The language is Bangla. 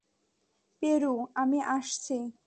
পেরু, আমি আসছি!